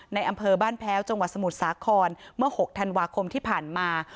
ในอำเภอบ้านแพ้วจังหวัดสมุทรสาครเมื่อ๖ธันวาคมที่ผ่านมา